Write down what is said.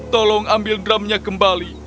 tolong ambil drumnya kembali